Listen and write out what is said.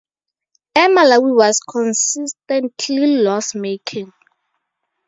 Air Malawi was consistently loss-making.